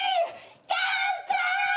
乾杯！